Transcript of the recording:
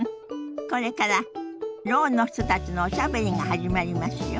これからろうの人たちのおしゃべりが始まりますよ。